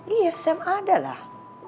iya sam ada lah